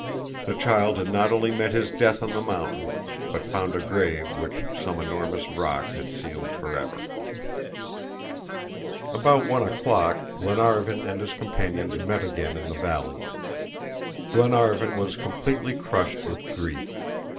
The child had not only met his death on the mountain, but found a grave which some enormous rock had sealed forever. About one o'clock, Glenarvan and his companions met again in the valley. Glenarvan was completely crushed with grief.